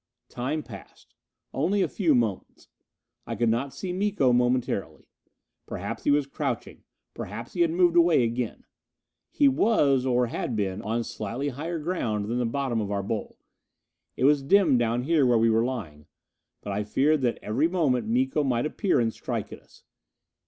Time passed only a few moments. I could not see Miko momentarily. Perhaps he was crouching; perhaps he had moved away again. He was, or had been, on slightly higher ground than the bottom of our bowl. It was dim down here where we were lying, but I feared that every moment Miko might appear and strike at us.